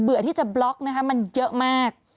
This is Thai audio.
ที่จะบล็อกนะคะมันเยอะมาก